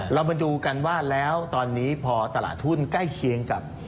เรามาดูกันว่าแล้วตอนนี้พอตลาดหุ้นใกล้เคียงกับ